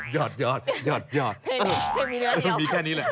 เพลงมีเนื้อเดียวมีแค่นี้แหละ